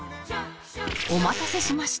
お待たせしました。